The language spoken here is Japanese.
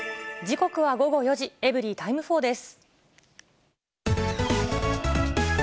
時刻は午後４時、エブリィタイム４です。